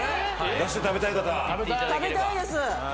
食べたいです！